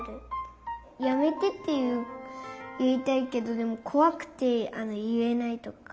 「やめて」っていいたいけどこわくていえないとか。